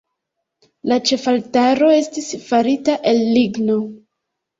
La ĉefaltaro estis farita el ligno.